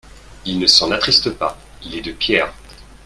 Il ne s'en attriste pas: il est de pierre.